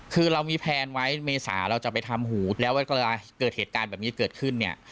คือเรามีแพลนไว้เมษาเราจะไปทำหูแล้วเกิดเหตุการณ์แบบนี้เกิดขึ้นเนี่ย